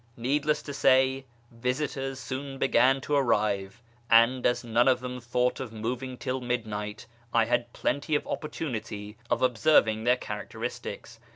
Needless to say, visitors soon began to arrive ; and, as none of them thought of moving till midnight, I had plenty of opportunity of observing their characteristics.